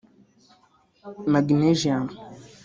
magnesium